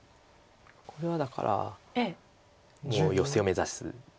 これはだからもうヨセを目指す。